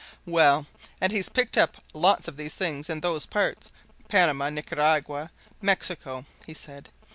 "Well, and he's picked up lots of these things in those parts Panama, Nicaragua, Mexico," he said.